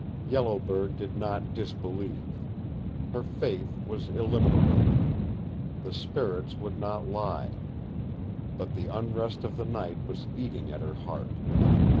Yellow Bird did not disbelieve. Her faith was illimitable. The spirits would not lie. But the unrest of the night was eating at her heart.